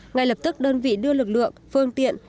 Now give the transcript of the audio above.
ngay lập tức đơn vị đưa lực lượng phương tiện